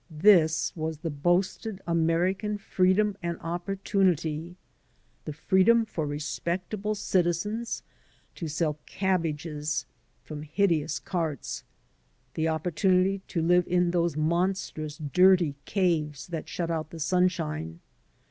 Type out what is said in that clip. This was the boasted American freedom and opportunity — ^the freedom for respectable citizens to sell cabbages from hideous carts, the opportunity to live in those monstrous, dirty caves that shut out the sunshine.